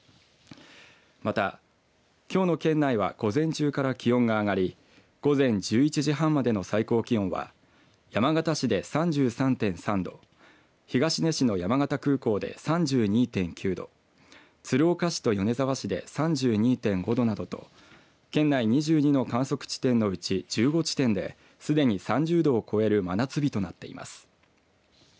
また、きょうの県内は午前中から気温が上がり午前１１時半までの最高気温は山形市で３３．３度東根市の山形空港で３２．９度鶴岡市と米沢市で３２．５度などと県内２２の観測地点のうち１５地点ですでに３０度を超える真夏日となっています。